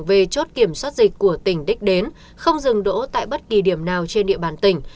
về chốt kiểm soát dịch của tỉnh đích đến không dừng đỗ tại bất kỳ điểm nào trên địa bàn tỉnh